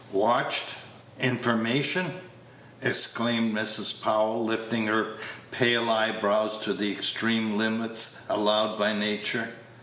"Watched! information!" exclaimed Mrs. Powell, lifting her pale eyebrows to the extreme limits allowed by nature.